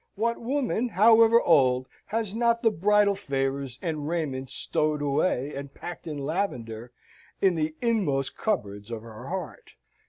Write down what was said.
What woman, however old, has not the bridal favours and raiment stowed away, and packed in lavender, in the inmost cupboards of her heart?